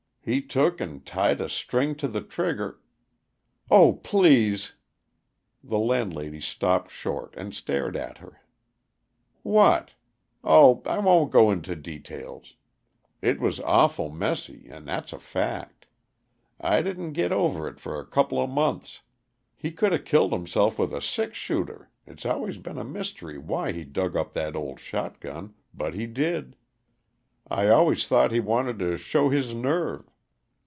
He took and tied a string to the trigger " "Oh, please!" The landlady stopped short and stared at her. "What? Oh, I won't go into details it was awful messy, and that's a fact. I didn't git over it for a couple of months. He coulda killed himself with a six shooter; it's always been a mystery why he dug up that old shotgun, but he did. I always thought he wanted to show his nerve."